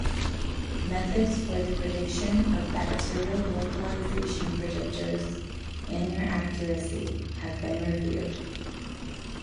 Methods for the prediction of bacterial localization predictors, and their accuracy, have been reviewed.